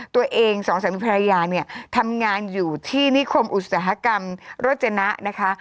ตัวเองสองสามีภรรยาเนี่ยทำงานอยู่ที่นิคมอุตสาหกรรมโรจนะนะคะ